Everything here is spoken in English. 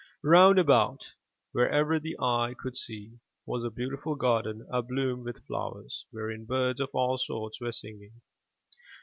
Round about, wherever the eye could see, was a beautiful garden abloom with flowers, wherein birds of all sorts were singing.